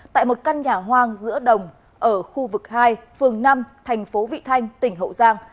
tại một căn nhà hoang giữa đồng ở khu vực hai phường năm thành phố vị thanh tỉnh hậu giang